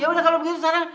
ya udah kalo begitu sarang